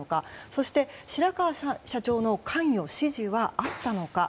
そして白川社長の関与・指示はあったのか。